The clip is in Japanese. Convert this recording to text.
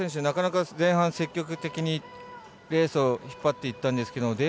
なかなか前半、積極的にレースを引っ張っていったんですけど